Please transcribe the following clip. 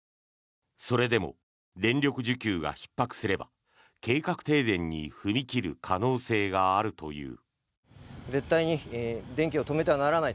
それでも電力需給がひっ迫すれば計画停電に踏み切る可能性があるという。